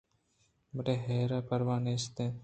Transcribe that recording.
بلئے حیر پرواہ ئے نیست